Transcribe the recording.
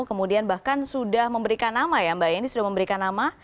kemudian bahkan sudah memberikan nama ya mbak yeni sudah memberikan nama